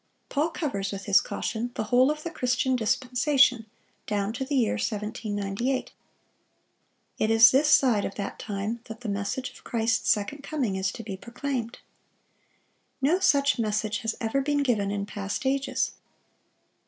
Paul covers with his caution the whole of the Christian dispensation down to the year 1798. It is this side of that time that the message of Christ's second coming is to be proclaimed. No such message has ever been given in past ages.